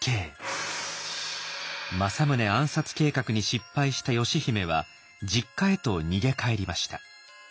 政宗暗殺計画に失敗した義姫は実家へと逃げ帰りました。